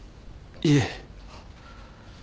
いえ。